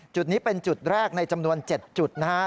จุดนี้เป็นจุดแรกในจำนวน๗จุดนะฮะ